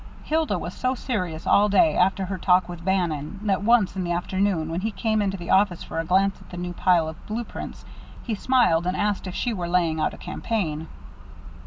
Hilda was so serious all day after her talk with Bannon that once, in the afternoon, when he came into the office for a glance at the new pile of blue prints, he smiled, and asked if she were laying out a campaign.